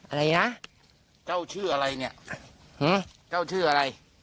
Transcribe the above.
อะไรนะเจ้าชื่ออะไรเนี่ยเจ้าชื่ออะไร